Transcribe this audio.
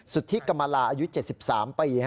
สุธิกรรมลาอายุ๗๓ปี